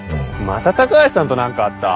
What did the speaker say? また高橋さんと何かあった？